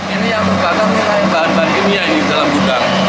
ini yang terbakar adalah bahan bahan kimia yang ada di dalam gudang